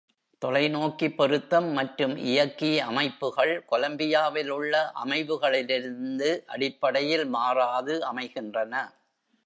தொலைநோக்கி பொருத்தம் மற்றும் இயக்கி அமைப்புகள், கொலம்பியாவில் உள்ள அமைவுகளிலிருந்து அடிப்படையில் மாறாது அமைகின்றன.